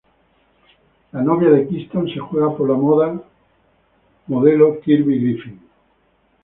La novia de Kingston se juega por la moda modelo Kirby Griffin.